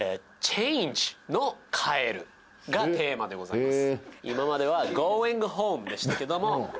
がテーマでございます。